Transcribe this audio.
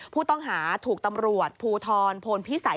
ผู้ต้องหาถูกตำรวจภูทรโพนพิสัย